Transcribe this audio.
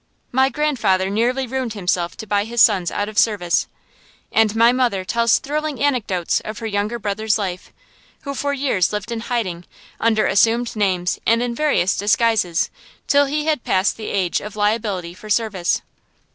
My grandfather nearly ruined himself to buy his sons out of service; and my mother tells thrilling anecdotes of her younger brother's life, who for years lived in hiding, under assumed names and in various disguises, till he had passed the age of liability for service.